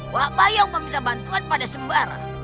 wakbayau meminta bantuan pada sembarang